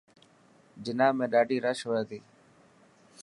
جناح ۾ڏاڌي رش هي.ڍ